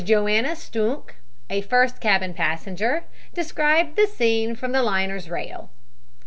Johanna Stunke, a first cabin passenger, described the scene from the liner's rail.